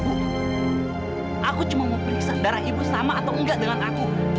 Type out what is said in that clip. aku cuma mau periksa darah ibu sama atau enggak dengan aku